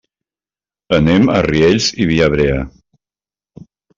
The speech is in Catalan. Anem a Riells i Viabrea.